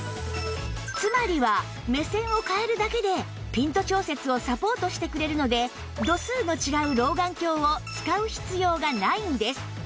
つまりは目線を変えるだけでピント調節をサポートしてくれるので度数の違う老眼鏡を使う必要がないんです